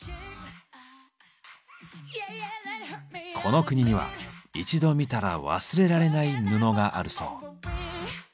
この国には一度見たら忘れられない布があるそう。